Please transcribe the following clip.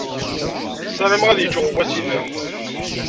Ssarameɣ ad yecc uɣawas-nnem.